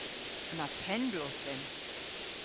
Yma penn-bloodh dhymm.